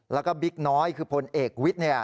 แล้วก็บิ๊กน้อยคือพลเอกวิทย์